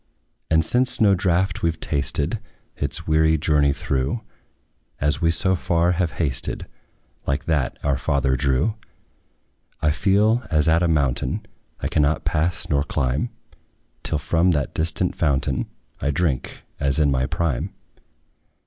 And since no draught we 've tasted, Its weary journey through, As we so far have hasted, Like that our father drew; I feel, as at a mountain, I cannot pass nor climb, Till from that distant fountain I drink, as in my prime.